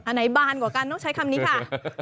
ไหนบานกว่ากันต้องใช้คำนี้ค่ะ